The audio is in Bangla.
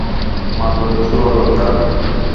মাত্র তো শুরু হলো, ড্রাক!